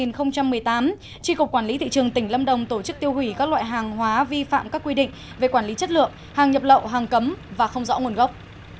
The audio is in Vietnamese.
năm hai nghìn một mươi tám tri cục quản lý thị trường tỉnh lâm đồng tổ chức tiêu hủy các loại hàng hóa vi phạm các quy định về quản lý chất lượng hàng nhập lậu hàng cấm và không rõ nguồn gốc